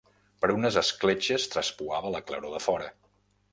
Per unes escletxes traspuava la claror de fora.